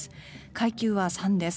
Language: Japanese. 階級は３です。